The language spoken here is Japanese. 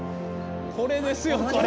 これですよこれ！